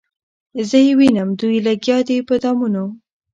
زه یې وینم دوی لګیا دي په دامونو